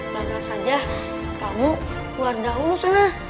mana saja kamu keluar dahulu sana